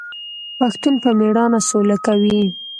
پښتون په میړانه سوله کوي.